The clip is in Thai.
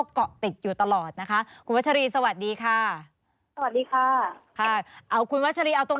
ก็ประมาณเกื้อมเย็นได้มีการมาพูดคุยแล้วหนึ่งครั้ง